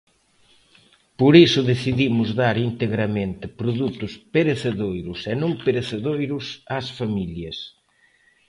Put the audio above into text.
Por iso decidimos dar integramente produtos perecedoiros e non perecedoiros ás familias.